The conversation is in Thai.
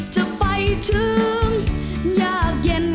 จะไปด้วยกัน